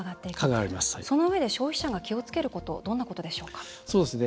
そのうえで消費者が気をつけることどんなことでしょうか？